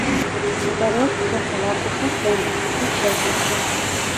მდებარეობს სოფელ აკუშოს ზემოთ, მთის ფერდობზე.